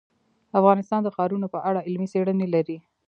افغانستان د ښارونه په اړه علمي څېړنې لري.